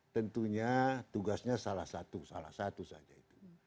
tentunya tugasnya salah satu salah satu saja itu